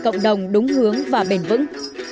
cộng đồng đúng hướng và bền vững